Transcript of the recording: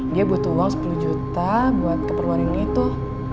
dia butuh uang sepuluh juta buat keperluan ini tuh